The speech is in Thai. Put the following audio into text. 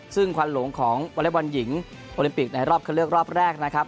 ซึ่งควันหลงของวอเล็กบอลหญิงโอลิมปิกในรอบคันเลือกรอบแรกนะครับ